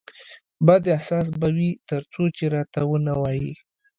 بد احساس به وي ترڅو چې راته ونه وایې